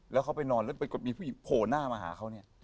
แล้วเขาไปนอนแล้วปรากฏมีผู้หญิงโผล่หน้ามาหาเขาเนี่ย